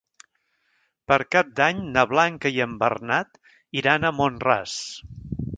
Per Cap d'Any na Blanca i en Bernat iran a Mont-ras.